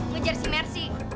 ngejar si mercy